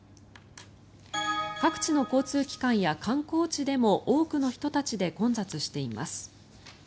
各地の交通機関や観光地でも多くの人たちで混雑しています。